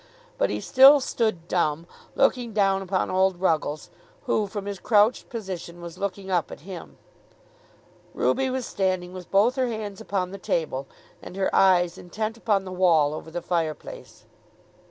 But he still stood dumb, looking down upon old Ruggles, who from his crouched position was looking up at him. Ruby was standing with both her hands upon the table and her eyes intent upon the wall over the fire place.